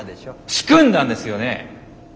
仕組んだんですよね？